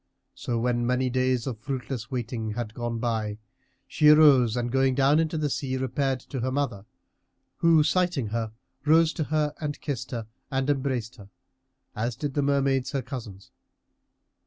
So when many days of fruitless waiting had gone by, she arose and going down into the sea, repaired to her mother, who sighting her rose to her and kissed her and embraced her, as did the Mermaids her cousins.